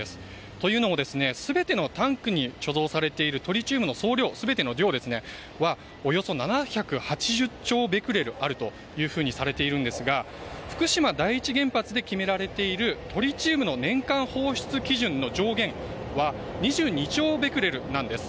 というのも全てのタンクに貯蔵されているトリチウムの総量はおよそ７８０兆ベクレルあるとされているんですが福島第一原発で決められているトリチウムの年間放出基準の上限というのは２２兆ベクレルなんです。